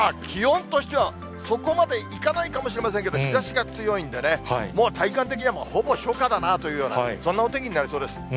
気温としては、そこまでいかないかもしれませんけど、日ざしが強いんでね、もう体感的にはほぼ初夏だなというような、そんなお天気になりそうです。